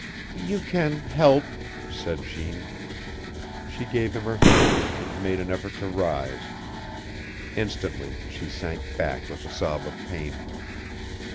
"You can help," said Jeanne. She gave him her hand and made an effort to rise. Instantly she sank back with a sob of pain.